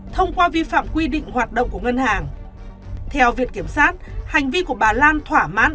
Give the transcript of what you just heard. thông qua vi phạm quy định hoạt động của ngân hàng theo viện kiểm sát hành vi của bà lan thỏa mãn